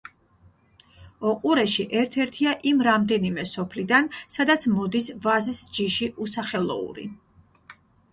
ოყურეში ერთ-ერთია იმ რამდენიმე სოფლიდან, სადაც მოდის ვაზის ჯიში უსახელოური.